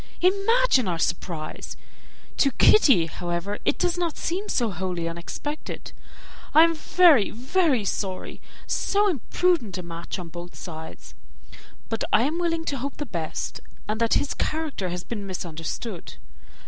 Imagine our surprise. To Kitty, however, it does not seem so wholly unexpected. I am very, very sorry. So imprudent a match on both sides! But I am willing to hope the best, and that his character has been misunderstood.